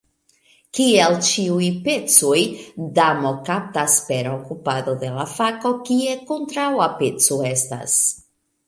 Kiel ĉiuj pecoj, damo kaptas per okupado de la fako, kie kontraŭa peco estas.